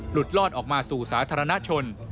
ลอดออกมาสู่สาธารณชน